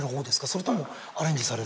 それともアレンジされる。